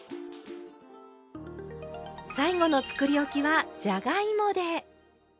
最後のつくりおきはじゃがいもで。